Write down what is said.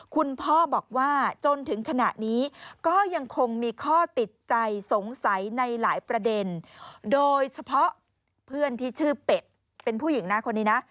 คุณพ่อบอกว่าจนถึงขณะนี้ก็ยังคงมีข้อติดใจสงสัยในหลายประเด็นโดยเฉพาะเพื่อนที่ชื่อเป็ดเป็นผู้หญิงนะคนนี้นะ